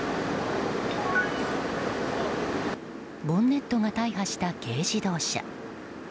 ボンネットが大破した軽自動車。